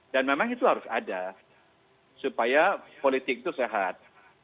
dan memang itu harus ada supaya politik itu sehat